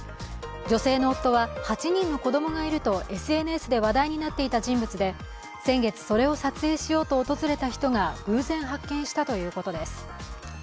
女性の夫は、８人の子供がいるとＳＮＳで話題になっていた人物で先月、それを撮影しようと訪れた人が偶然発見したということです。